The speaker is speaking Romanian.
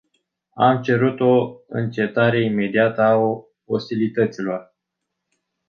Am cerut o încetare imediată a ostilităților.